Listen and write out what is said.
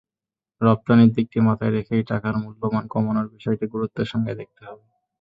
রপ্তানির দিকটি মাথায় রেখেই টাকার মূল্যমান কমানোর বিষয়টি গুরুত্বের সঙ্গে দেখতে হবে।